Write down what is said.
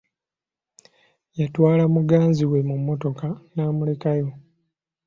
Yatwala muganzi we mu mmotoka n'amulekayo.